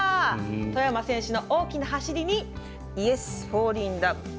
外山選手の大きな走りにイエス、フォーリンラブ。